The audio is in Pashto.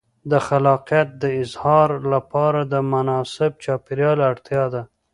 د خلاقیت د اظهار لپاره د مناسب چاپېریال اړتیا ده.